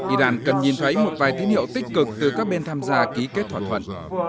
iran cần nhìn thấy một vài tín hiệu tích cực từ các bên tham gia ký kết thỏa thuận